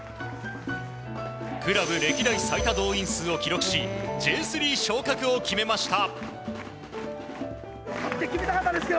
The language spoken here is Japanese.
クラブ歴代最多動員数を記録しＪ３昇格を決めました。